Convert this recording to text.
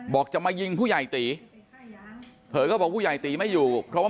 บอกจะมายิงผู้ใหญ่ตีเธอก็บอกผู้ใหญ่ตีไม่อยู่เพราะว่า